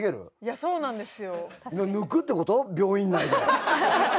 そうなんですよ。